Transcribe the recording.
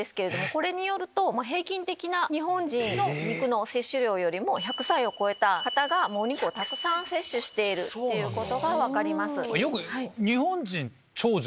これによると平均的な日本人の肉の摂取量よりも１００歳を超えた方がお肉をたくさん摂取していることが分かります。